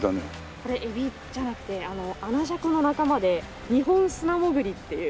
これエビじゃなくてアナジャコの仲間でニホンスナモグリっていう。